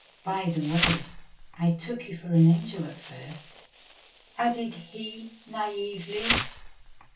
By the way, I took you for an angel at first," added he naively.